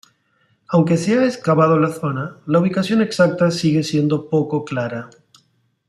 Aunque se ha excavado la zona, la ubicación exacta sigue siendo poco clara.